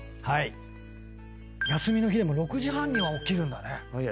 休みの日でも６時半には起きるんだね。